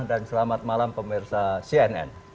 dan selamat malam pemirsa cnn